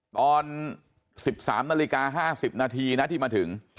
ตอน๑๓นาฬิกา๕๐นาทีนะที่มาถึง